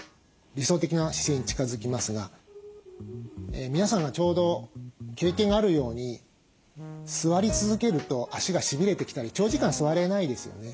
理想的な姿勢に近づきますが皆さんがちょうど経験があるように座り続けると脚がしびれてきたり長時間座れないですよね。